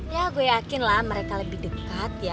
ya gue yakin lah mereka lebih dekat ya